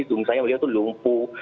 misalnya beliau itu lumpuh